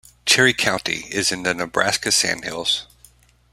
Cherry County is in the Nebraska Sandhills.